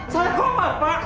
saya komar pak